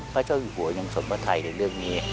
พระเจ้าอยู่หัวยังสนพระไทยในเรื่องนี้